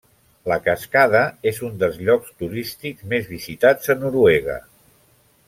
La cascada és un dels llocs turístics més visitats a Noruega.